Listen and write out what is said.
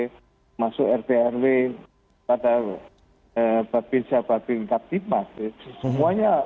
dan juga masukan dari seluruh elemen masyarakat tentu kita tidak lanjuti karena memang kita tidak lantas bekerja sendiri di pilihan lembaga terkait ormas okm dan lain lain